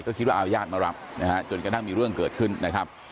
ก็คิดว่าเอาญาติมารับนะฮะจนกระทั่งมีเรื่องเกิดขึ้นนะครับ